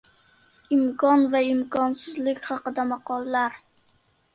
Imkon va imkonsizlik haqida maqollar.